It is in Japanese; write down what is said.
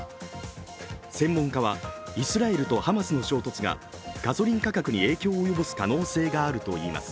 専門家は、イスラエルとハマスの衝突がガソリン価格に影響を及ぼす可能性があるといいます。